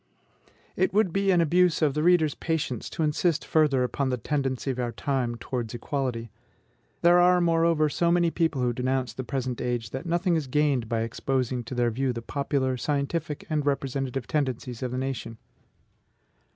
It would be an abuse of the reader's patience to insist further upon the tendency of our time towards equality. There are, moreover, so many people who denounce the present age, that nothing is gained by exposing to their view the popular, scientific, and representative tendencies of the nation.